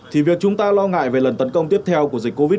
thì việc chúng ta lo ngại về lần tấn công tiếp theo của dịch covid một mươi